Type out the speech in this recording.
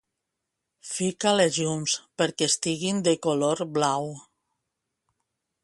Fica les llums perquè estiguin de color blau.